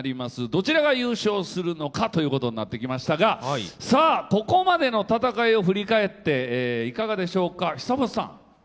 どちらが優勝するのかということになってきましたがここまでの戦いを振り返っていかがでしょうか。